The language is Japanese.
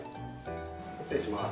失礼します。